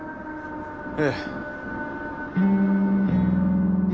ええ。